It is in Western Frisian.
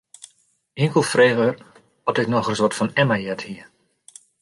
Inkeld frege er oft ik noch ris wat fan Emma heard hie.